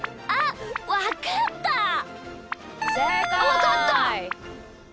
わかった！